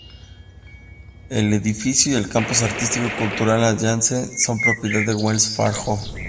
El edificio y el campus artístico-cultural adyacente son propiedad de Wells Fargo.